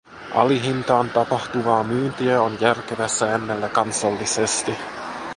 Alihintaan tapahtuvaa myyntiä on järkevää säännellä kansallisesti.